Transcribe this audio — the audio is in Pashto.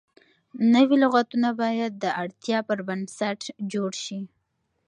نوي لغتونه باید د اړتیا پر بنسټ جوړ شي.